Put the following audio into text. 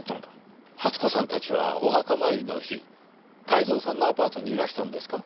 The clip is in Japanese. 初子さんたちはお墓参りの日泰造さんのアパートにいらしたんですか？